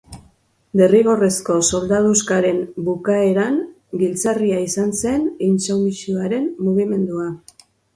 Derrigorrezko soldaduskaren bukaeran giltzarria izan zen intsumisioaren mugimendua.